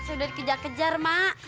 sudah dikejar kejar mak